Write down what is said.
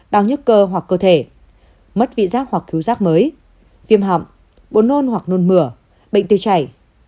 đau nhức cơ hoặc cơ thể mất vị giác hoặc cứu giác mới viêm họng bồn nôn hoặc nôn mửa bệnh tiêu chảy